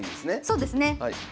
そうですね。